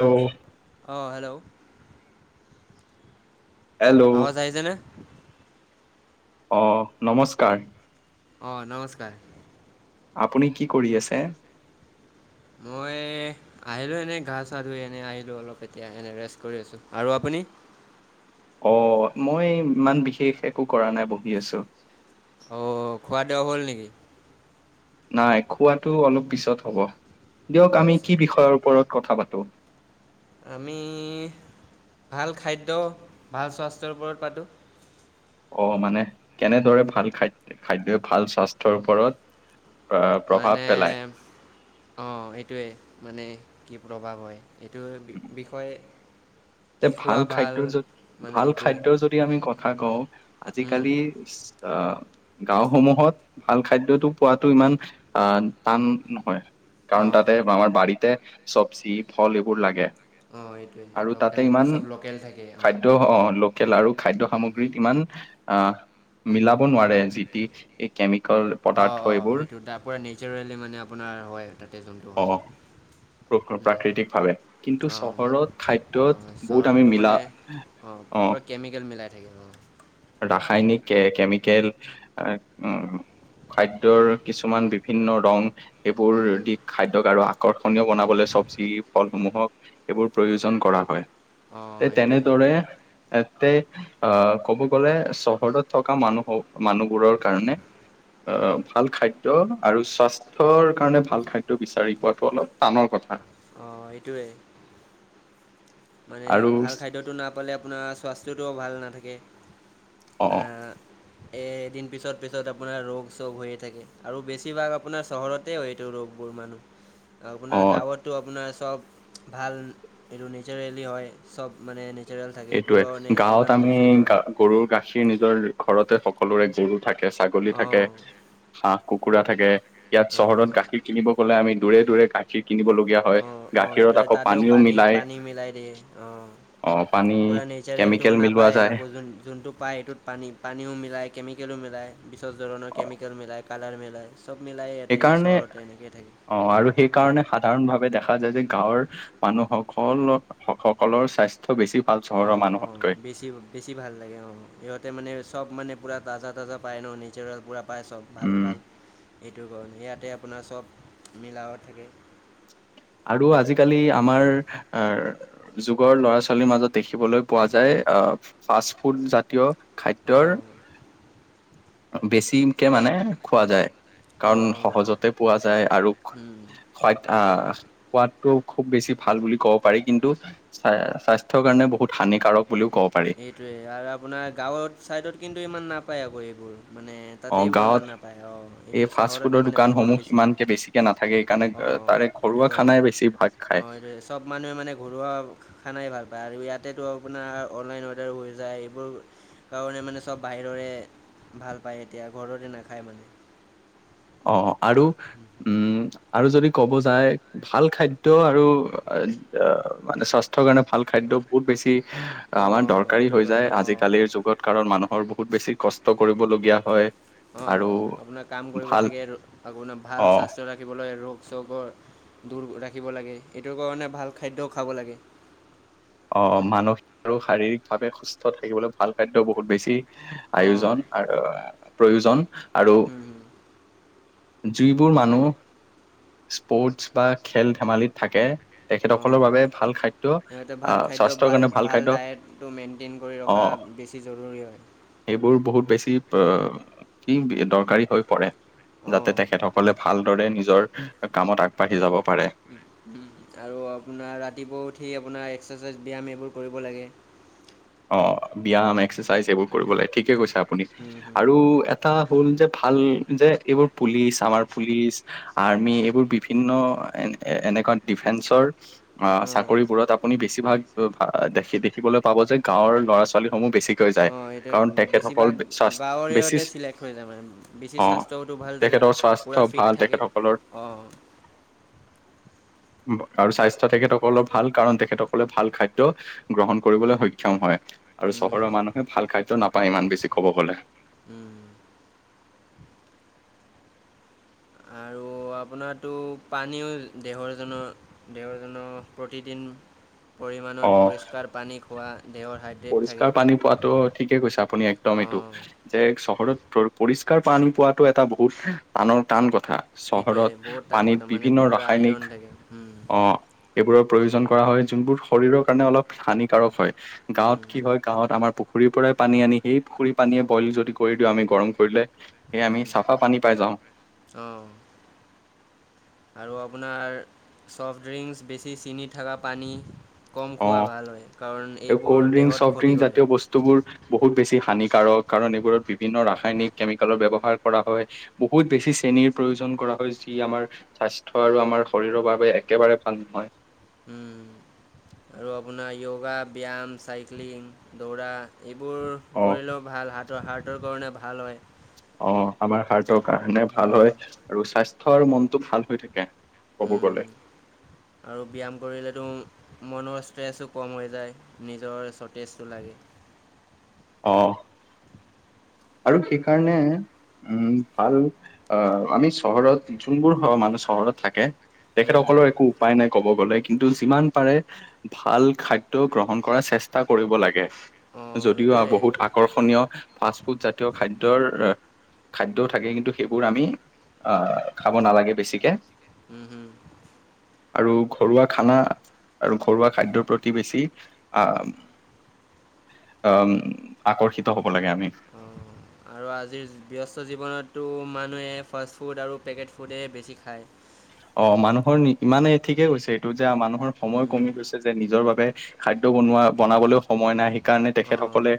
Hello অহ hello hello আৱাজ আহিছে নে অহ নমস্কাৰ অহ নমস্কাৰ আপুনি কি কৰি আছে মই আহিলো এনেই গা চা ধুই এনে আহিলো অলপ এতিয়া এনে ৰেষ্ট কৰি আছো আৰু আপুনি [unintelligible] অ মই ইমান বিশেষ একো কৰা নাই বহি আছো অ খোৱা দোৱা হল নেকি নাই খোৱাটো অলপ পিছত হ'ব দিয়ক আমি আচ্ছা কি বিষয়ৰ ওপৰত কথা পাতো আমি ভাল খাদ্য ভাল স্বাস্থ্যৰ ওপৰত পাতোঁ অ মানে কেনেদৰে ভাল খাদ খাদ্যই ভাল স্বাস্থ্যৰ ওপৰত আহ প্ৰভাৱ মানে পেলায় অঁ এইটোৱেই মানে কি প্ৰভাৱ হয় এইটো বিষয়ে এ কি খোৱা ভাল খাদ্যয়ৰ য মানে ভাল এইটোৱে খাদ্যয়ৰ যদি আমি কথা কওঁ উম আজিকালি অ গাঁওসমূহত ভাল খাদ্যতটো পোৱাটো ইমান আহ টান নহয় কাৰণ অঁ তাতে আমাৰ বাাৰতে চব্জি ফল এইবোৰ লাগে অ এইটোয়ে আৰু তাতে ইমান খাদ্য অ লোকেল আৰু খাদ্য সামগ্ৰীত অঁ ইমান অ মিলা নোৱাৰে যি টি কেমিকেল পদাৰ্থ অঁ অঁ এইবোৰ সেইটো তাৰপৰা নেচাৰেলি মানে আপোনাৰ হয় তাতে জন্তু অ হয় উম, প্ৰাকৃতিক ভাৱে কিন্তু অঁ চহৰত খাদ্য অঁ বহুত আমি চহৰততো মিলা মানে অঁ অ পূৰা কেমিকেল মিলাই থাকিব ৰাসায়নিক কেমিকেল উম খাদ্যৰ কিছুমান বিভিন্ন ৰং এইবোৰ হুম হুম দিশ খাদ্যক আৰু আকৰ্ষণীয় বনাবলৈ চব্জি ফলসমূহক এইবোৰ প্ৰয়োজন কৰা অঁ হয় এইটোৱে তেনেদৰে এ অ ক'ব গ'লে চহৰত থকা মানুহ মানুহ বোৰৰ কাৰণে অ হুম হুম ভাল খাদ্য খাদ্য আৰু স্বাস্থ্যৰ কাৰণে ভাল খাদ্য বিচাৰি পোৱাটো অলপ টানৰ কথা অ এইটোৱেই মানে আৰু ভাল খাদ্যটো নাপালে আপোনাৰ স্বাস্থ্যটো ভাল নাথাকে অ আ এ এদিন পিছত পিছত আপোনাৰ ৰোগ চোগ হৈয়ে থাকে আৰু বেছিভাগ আপোনাৰ চহৰতেও এইটো ৰোগ পৰমাণু আৰু অ আপোনাৰ গাঁৱতো আপোনাৰ চব ভাল এইটো নেচাৰেলি হয় চব মানে নেচাৰেল থাকে এইটোৰ এইটোয়ে কাৰণে গাঁৱত ইমান ৰোগ আমি চোগ গ নহয় গৰুৰ গাখীৰ নিজৰ ঘৰতে সকলোৰে গৰু থাকে ছাগলী থাকে অঁ হাঁহ কুকুৰা থাকে ইয়াত অঁ চহৰত গাখীৰ কিনিব গলে আমি দূৰে দূৰে গাখি অ অ এটোৱে তাতেও পানী মিলাই পানী মিলাই দিয়ে অ আহ পানী পুৰা নেচাৰেলটো কেমিকেল মিলোৱা নাপায় যায় আকৌ যোনটো পায় সেইটোত পানী পানীও মিলাই কেমিকেলো মিলাই বিষেক ধৰণৰ অ কেমিকেল মিলাই কালাৰ মিলাই চব ইয়াতে সেইকাৰণে চহৰতে এনেকৈ থাকে অ আৰু সেইকাৰণে সাধাৰণভাৱে দেখা দেখা যায় যে গাঁৱৰ মানুহসকলৰ সকলৰ স্বাস্থ্য বেছি ভাল চহৰৰ অ অ মানুহতকৈ বেছি বেছি ভাল লাগে অ সিহঁতে মানে চব মানে পুৰা তাজা তাজা পায় ন নেচাৰেল পুৰা পায় চব ভাল উম ভাল এইটো কাৰণে ইয়াতে আপোনাৰ চব মিলাবাত থাকে আৰু আজিকালি আমাৰ যুগৰ ল'ৰা ছোৱালীৰ মাজত দেখিবলৈ পোৱা যায় ফাষ্ট ফুড জাতীয় খাদ্যৰ অ বেছিকে মানে খোৱা যায় কাৰণ অঁ অঁ সহজতে পোৱা যায় আৰু উম, আ সোৱাদটোও খুব বেছি ভাল বুলি ক'ব পাৰি কিন্তু স্বাস্থ্যৰ কাৰণে বহুত হানিকাৰক বুলিও ক'ব পাৰি এইটোৱে আৰু আপোনাৰ গাঁৱৰ চাইদত কিন্তু ইমান নাপায় আকৌ এইবোৰ মানে অ তাতে এইবোৰ গাঁৱত ইমান নাপায় অ এইটো এই ফাষ্ট চহৰতে ফুডৰ মানে বহুত দোকানসমূহ বেছি থাকে ইমানকে বেছিকে নাথাকে সেইকাৰণে অ অ তাৰে সেইটো ঘৰুৱা কাৰণেই খানাই বেছি ভাগ অ খায় এইটোৱে চব মানুহে মানে ঘৰুৱা খানাই ভাল পায় আৰু ইয়াত তাতেতো আপোনাৰ অনলাইন অৰ্ডাৰ হৈ যায় এইবোৰ কাৰণে মানে চব বাহিৰৰে ভাল পায় এতিয়া ঘৰতে নাখায় মানে অ আৰু উম আৰু যদি ক'ব যায় ভাল খাদ্য আৰু মানে স্বাস্থ্যৰ কাৰণে ভাল খাদ্য বহুত বেছি আমাৰ অঁ দৰকাৰ এইটো হৈ যায় কাৰণে অঁ আজিকালিৰ যুগত কাৰণ মানুহৰ বহুত বেছি কস্ত কষ্ট কৰিবলগীয়া হয় অ আৰু আপোনাৰ কাম কৰিব ভাল থাকে আপোনাৰ ভাল অ স্বাস্থ্য ৰাখিবলৈ ৰোগ চবৰ দূৰ ৰাখিব লাগে এইটোৰ কাৰণে ভাল খাদ্যও খাব লাগে অ মানসিক আৰু শাৰীৰিক ভাৱে সুস্থ থাকিবলৈ ভাল খাদ্য বহুত বেছি অঁ আয়োজন আৰু প্ৰয়োজন আৰু হুম, হুম। যিবোৰ মানুহ স্পৰ্টছ বা খেল ধেমালিত থাকে অ তেখেতসকলৰ বাবে ভাল খাদ্য সিহতে ভাল আহ খাদ্য স্বাস্থ্যৰ ভাল কাৰণে ভাল খাদ্য ডায়েটটো মেইনটেইন কৰি ৰখা। বেছি জৰুৰী হয়। এইবোৰ বহুত বেছি। কি দৰকাৰী হৈ পৰে যাতে অঁ তেখেতসকলে ভালদৰে নিজৰ কামত আগবাঢ়ি যাব। পাৰে উম আৰু আপোনাৰ ৰাতিপুৱা উঠি আপোনাৰ এক্সাৰচাইজ ব্যায়াম এইবোৰ কৰিব লাগে অ ব্যায়াম এক্সাৰচাইজ এইবোৰ কৰিব লাগে ঠিকে কৈছে আপুনি হুম হুম আৰু এটা হল যে ভাল যে এইবোৰ পুলিচ আমাৰ পুলিচ আৰ্মি এইবোৰ বিভিন্ন। এ এনেকুৱা ডিফেন্সৰ অ অঁ চাকৰিবোৰত আপুনি বেছিভাগ দে দেখিবলৈ পাব যে গাঁৱৰ ল'ৰা ছোৱালী অ এইটো বেছিভাগ স্বাস্থ বেছি গাঁৱৰেতে চিলেক্ট হৈ যায় মান বেছি অ স্বাস্থ্য ভাল থাকে তেখেতৰ স্বাস্থ্য পুৰা ফিট ভাল থাকে তেখেতসকলৰ অ। [inaudible] আৰু স্বাস্থ্য তেখেতসকলৰ ভাল কাৰণ তেখেতসকলে ভাল খাদ্য গ্ৰহণ কৰিবলৈ সক্ষম হয়। আৰু হুম চহৰৰ হুম মানুহে ভাল খাদ্য নাপায় ইমান বেছি কব গলে। হুম আৰু আপোনাৰটো পানীও দেহৰজনৰ দেহৰজনৰ প্ৰতিদিন পৰিমাণত অ পৰিষ্কাৰ পানী খোৱা দেহৰ হাত পৰিষ্কাৰ পানী পোৱাটো ঠিকে কৈছে আপুনি একদম এইটো অঁ যে চহৰত পৰিষ্কাৰ পানী পোৱাাটো এটা বহুত টানৰ টান। এইটোৱে চহৰত বহুত টান কথা পানীত মানে বিভিন্ন বহুত আইৰণ ৰাসায়নিক থাকে হুম আহ এইবোৰৰ প্ৰয়োজন কৰা। হয় যুনবোৰ শৰীৰৰ কাৰনে অলপ হানী কাৰক হয় গাঁৱত হুম কি হয় গাৱত আমাৰ পুখুৰী পুখুুৰীৰ পৰাই পানী আনি সেই পখুৰী পানীয়ে বইল যদি কৰি দিওঁ আমি গৰম কৰিলে। সেয় আমি হুম চাফা পানী পাই যাওঁ অঁ আৰু আপোনাৰ চফ্ট ড্ৰিংকছ বেছি চিনিত থকা পানী কম অ খোৱা ভাল হয় কাৰণ এই এইবোৰ কল্ড ড্ৰিংক দেহত চফ্ট ক্ষতি ড্ৰিংক কৰে জাতীয় বস্তুবোৰ বহুত বেছি হানিক কাৰক কাৰণ এইবোৰত বিভিন্ন ৰাসায়নিক কেমিকেলৰ ব্যৱহাৰ কৰা হয় বহুত বেছি চেনীৰ প্ৰয়োজন কৰা। যি আমাৰ স্বাস্থ্য আৰু আমাৰ শৰীৰৰ বাবে একেবাৰে ভাল নহয়। উ আৰু আপোনাৰ য়োগা ব্যায়াম চাইক্লিং দৌৰা এইবোৰ অ কৰিলেও ভাল হাৰ্টৰ হাৰ্টৰ কাৰণে ভাল হয়। অ আমাৰ হাৰ্টৰ তা- কাৰণে ভাল উম, হয় আৰু স্বাস্থ্য আৰু মনটো ভাল হৈ থাকে ক'ব গ'লে আৰু ব্যায়াম কৰিলেতো মনৰ ষ্ট্ৰেছো কম হৈ যায় নিজৰ সতেজটো লাগে। অ আৰু সেইকাৰণে উম ভাল আহ আমি চহৰত যোনবোৰ হ মানুহ চহৰত থাকে। উম, তেখেতসকলৰ একো উপায় নাই। ক'ব গ'লে কিন্তু যিমান পাৰে ভাল খাদ্যয় গ্ৰহণ কৰাৰ চেষ্টা কৰিব লাগে। অঁ যদিও আৰু সেইটোৱে বহুত আকৰ্ষণীয় ফ খাদ্যৰ খাদ্যও থাকে কিন্তু সেইবোৰ আমি আহ খাব নালাগে বেছিকে। উম, হুম। আৰু ঘৰুৱা খানা আৰু ঘৰুৱা খাদ্যৰ প্ৰতি বেছি আহ উম আকৰ্ষিত হ'ব লাগে আমি। অ' আৰু আজিৰ ব্যস্ত জীৱনততো মানুহে ফাষ্ট ফুড আৰু পেকেট ফুডেই বেছি খায়। অ মানুহৰ ইমানে ঠিকে গৈছে এইটো যে মানুহৰ সময় কমি গৈছে যে নিজৰ বাবে। খাদ্য বনোৱা বনাবলৈও সময় নাই সেইকাৰণে অ' তেখেতসকলে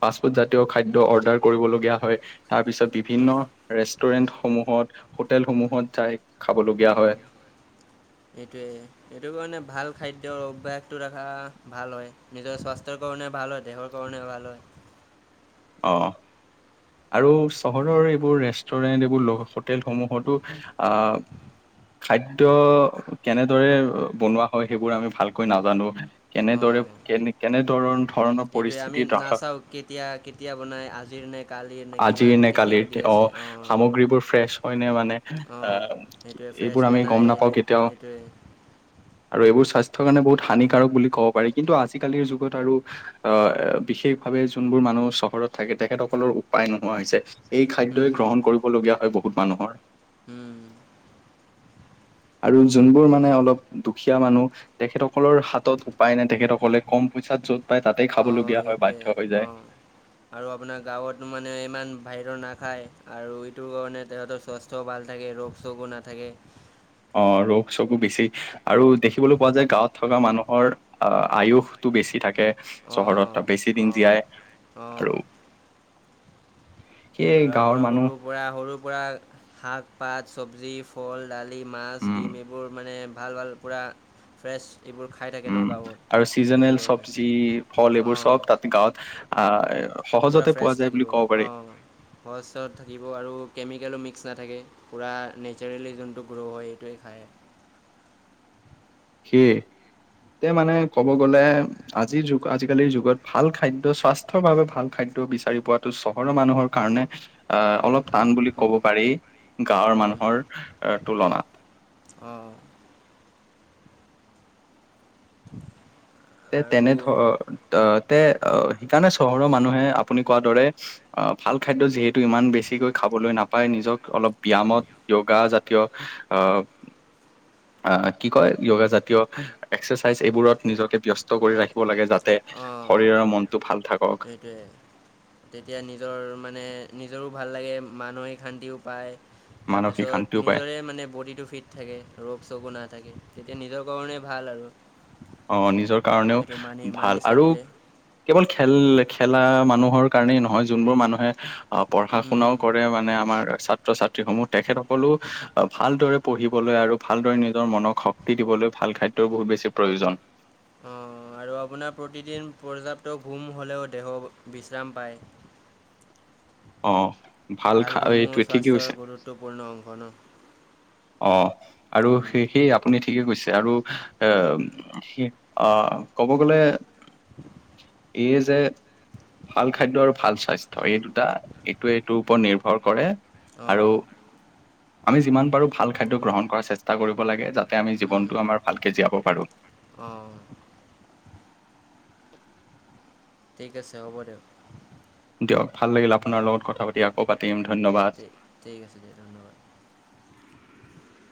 ফাষ্টফুড জাতীয় খাদ্য অৰ্ডাৰ কৰিবলগীয়া হয়। তাৰপিছত বিভিন্ন ৰেষ্টুৰেন্ট সমূহত হোটেলসমূহত যাই খাবলগীয়া উম হম হয় এইটোৱে এইটো কাৰণে ভাল খাদ্যৰ অভ্যাসটো ৰখা ভাল হয় নিজৰ স্বাস্থ্যৰ কাৰণে ভাল হয় দেহৰ কাৰণে ভাল হয়। [unintelligible] অ আৰু চহৰৰ এইবোৰ ৰেষ্টুৰেণ্ট এইবোৰ হোটেলসমূহতো আহ খাদ্য কেনেদৰে বনোৱা হয় সেইবোৰ আমি ভালকৈ নাজানো। কেনেদৰে অঁ কেনে কেনেদৰ ধৰণৰ এইটোৱে আমি পৰিস্থিতিত ৰাখা নাচাওঁ কেতিয়া কেতিয়া বনাই আজিৰ নে কালিৰ নে কিমান আজিৰ নে কেতিয়া দি কালিৰ অ আছে অঁ সামগ্ৰীবোৰ ফ্ৰেছ হয় নে মানে। অঁ আহ সেইটোৱে এইবোৰ ফ্ৰেছ আমি নে গম নাই নাপাওঁ নাই কেতিয়াও সেইটোৱে আৰু এইবোৰ স্বাস্থ্য কাৰণে বহুত হানিকাৰক বুলি কয়। কব পাৰি কিন্তু আজি কালিৰ যুগত আৰু অ বিশেষ ভাৱে জোনবোৰ মানুহ চফ ঘৰত থাকে তেখেতসকলৰ উপায় নোহোৱা হৈছে, এই খাদ্য গ্ৰহণ কৰিবলগীয়া হয় বহুত মানুহৰ হম আৰু যোনবোৰ মানে অলপ দুখীয়া মানুহ তেখেতসকলৰ হাতত পায় নে তেখেতসকলে কম পইচাত য'ত পায় তাতেই অঁ খাবলগীয়া হয় বাধ্য হৈ এইটোৱে যায়। অঁ আৰু আপোনাৰ গাঁৱত মানে ইমান বাহিৰৰ না খায় আৰু এইটোৰ কাৰণে তেহাঁতৰ স্বাস্থ্যও ভাল থাকে ৰোগ চোগো নাথাকে। অ ৰোগ চোগো বেছি আৰু দেখিবলৈ পোৱা যায় গাঁৱত থকা মানুহৰ আহ আয়ুস টো বেছি থাকে চহৰত বেছি অঁ দিন অঁ জীয়াই অঁ আৰু সেয়ে তাৰ গাঁৱৰ পৰা মানুহ সৰুৰ পৰা সৰুৰ পৰা শাক পাত চবজি ফল দালি মাছ উম ডিম এইবোৰ মানে ভাল ভাল পূৰা ফ্ৰেছ এইবোৰ খাই থাকে উম ন গাঁৱত আৰু সেইটো চিজনেল কাৰণে চবজি ফল এইবোৰ অঁ চব তাত গাঁৱত আহ পূৰা সহজতে পোৱা ফ্ৰেছ যায় বুলি থাকিব ক'ব পাৰি অঁ সহজ থাকিব, আৰু কেমিকেলো মিক্স, নাথাকে পূৰা নেচাৰেলি যোনটো গ্ৰ' হয় সেইটোৱে খায়। সেয়ে তে মানে ক'ব গলে আজিৰ যুগ আজিকালিৰ যুগত ভাল খাদ্য স্বাস্থ্যৰ বাবে ভাল খাদ্য। খাদ বিচাৰি পোৱাাতটো চহৰৰ মানুহৰ কাৰণে আহ অলপ টান বুলি কব পাৰি। গাঁৱৰ হুম হুম মানুহৰ তুলনাত, অঁ তে আৰু তেনে, া সেইকাৰণে চহৰৰ মানুহে আপুনি কোৱাৰ দৰে ভাল খাদ্য যিহেতু ইমান বেছিকৈ খাব, নাপ নিজ অলপ ব্যায়ামত য়গা জাতীয়, আহ কি কয় য়োগা জাতীয় এক্সাৰচাইজ এইবোৰত নিজকে ব্যস্ত কৰি ৰাখিব লাগে। যাতে অঁ অঁ শৰীৰৰ মনটো ভাল থাকক সেইটোৱে তেতিয়া নিজৰ মানে নিজৰো ভাল লাগে মানসিক শান্তিও পায়। মানসিক শান্তিও তাৰপিছত পায় নিজৰে মানে বডিটো ফিট থাকে ৰোগ চোগো নাথাকে। তেতিয়া নিজৰ কাৰণে ভাল, আৰু অ নিজৰ কাৰণেও সেইটো মানি ভাল মানি আৰু চলিলে কেৱল খেল খেলা মানুহৰ কাৰনেই নহয় যোনবোৰ মানুহে আহ পঢ়া হুম শুনাও হুম কৰে, মানে আমাৰাত ছাত্ৰ ছাত্ৰীসমূহ তেখেতসকো ভালদৰে পঢ়িবলৈ আৰু ভালদৰে নিজৰ মনক শক্তি দিবলৈ ভ ভাল খাদ্য বহুত বেছি প্ৰয়োজন। অ আৰু আপোনাৰ প্ৰতিদিন পৰ্যাপ্ত ঘুম হ'লেও দেহ বিশ্ৰাম পায়। আহ। ভালগুমো স্বাস্থ্যৰ গুৰুত্বপূৰ্ণ অংশ ন। অ আৰু উম, স সেই আপুনি ঠিকে কৈছে, আৰু এ আহ ক'ব গ'লে, এই যে ভাল খাদ্য আৰু ভাল স্বাস্থ্য এই দুটা এইটোৱে এইটোৰ ওপৰত নিৰ্ভৰ কৰে। আহ আৰু আমি যিমান পাৰো ভাল খাদ্য গ্ৰহণ কৰাৰ চেষ্টা কৰিব লাগে য। আমি হুম হুম জীৱনটো আমাৰ ভালকে জীয়াব পাৰো। অঁ ঠিক আছে হ'ব দিয়ক। দিয়ক ভাল লাগিল আপোনাৰ অঁ লগত কথা পাতি আকৌ পাতিম ধন্যবাদ। [inaudible]